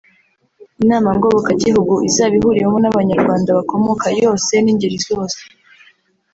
Inama Ngobokagihugu izaba ihuriwemo n’abanyarwanda b’amoko yose n’ingeri zose